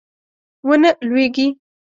ونه لویږي